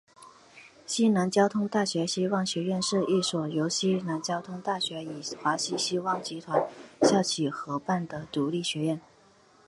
西南交通大学希望学院是一所由西南交通大学与华西希望集团校企合办的独立学院。